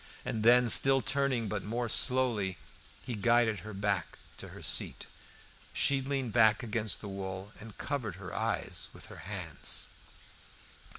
And then, still turning, but more slowly, he guided her back to her seat. She leaned back against the wall and covered her eyes with her hands.